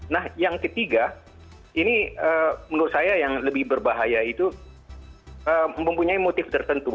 nah yang ketiga ini menurut saya yang lebih berbahaya itu mempunyai motif tertentu